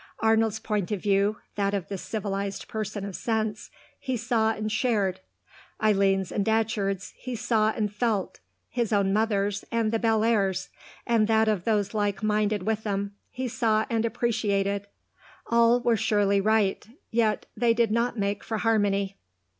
Arnold's point of view, that of the civilised person of sense, he saw and shared; Eileen's and Datcherd's he saw and felt; his own mother's, and the Bellairs', and that of those like minded with them, he saw and appreciated; all were surely right, yet they did not make for harmony.